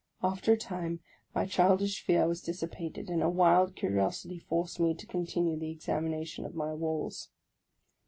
After a time, my childish fear was dissipated, and a wild curiosity forced me to continue the examination of my walls.